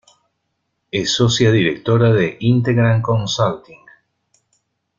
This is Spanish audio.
Es socia directora de Integran Consulting.